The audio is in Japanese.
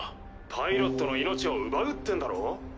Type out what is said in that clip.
パイロットの命を奪うってんだろ？